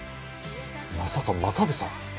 まさか真壁さん。